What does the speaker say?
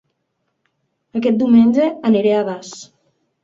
Aquest diumenge aniré a Das